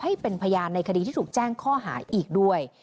ให้เป็นพยานในคดีที่ถูกแจ้งข้อหาอีกด้วย